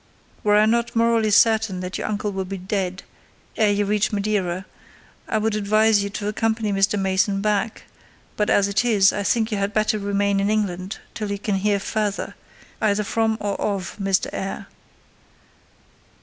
Were I not morally certain that your uncle will be dead ere you reach Madeira, I would advise you to accompany Mr. Mason back; but as it is, I think you had better remain in England till you can hear further, either from or of Mr. Eyre.